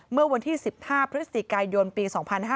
เมื่อวันที่๑๕พฤศจิกายนปี๒๕๕๙